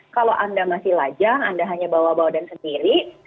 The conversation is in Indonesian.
kalau anda masih lajang anda hanya bawa bawa dan sendiri